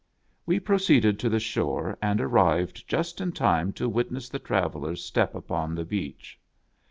We proceeded to the shore, and arrived just in time to witness the travellers step upon the beach.